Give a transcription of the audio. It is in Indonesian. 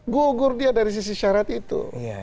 gugur dia dari sisi syarat itu